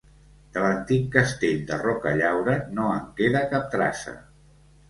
De l'antic castell de Rocallaura no en queda cap traça.